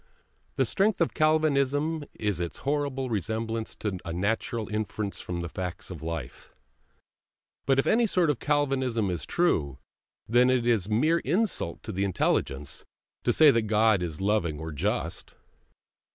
The strength of Calvinism is its horrible resemblance to a natural inference from the facts of life; but if any sort of Calvinism is true, then it is a mere insult to the intelligence to say that God is loving or just.